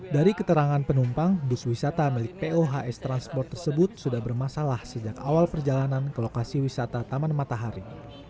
dari keterangan penumpang bus wisata milik pohs transport tersebut sudah bermasalah sejak awal perjalanan ke lokasi wisata taman matahari